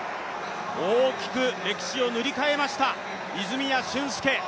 大きく歴史を塗り替えました、泉谷駿介。